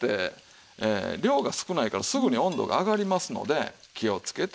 量が少ないからすぐに温度が上がりますので気をつけて。